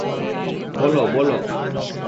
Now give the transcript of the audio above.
বল, বল।